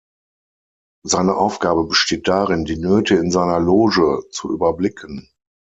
Seine Aufgabe besteht darin, die Nöte in seiner Loge zu überblicken.